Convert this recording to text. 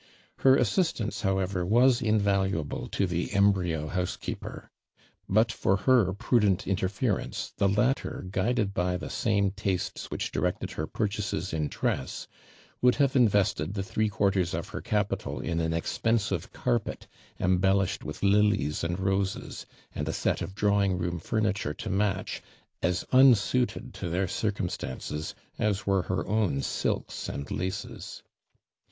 Her assistance, however, was in valuable to the embryo house keeper. But lor her prudent interference, the latter, guided by the same tastes that directed her purchases in dress would liave invested the three quarters of her capital in an ex pensive carpet, embellished with lilies and roses ; and a set of drawing room furniture to match, as unsuited to their curum stances as were her own silks and laces.